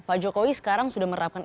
pak jokowi sekarang sudah menerapkan